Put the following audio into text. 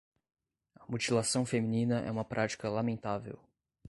A mutilação feminina é uma prática lamentável